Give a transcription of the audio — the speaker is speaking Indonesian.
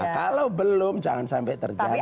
kalau belum jangan sampai terjadi